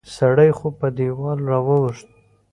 سړی خو په دیوال را واوښت